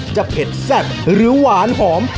เผ็ดแซ่บหรือหวานหอม